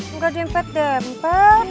enggak dempet dempet